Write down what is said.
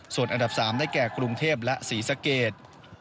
ส่วนอันดับ๓ได้แก่กรุงเทพและศรีสะเกด